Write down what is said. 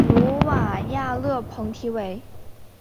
努瓦亚勒蓬提维。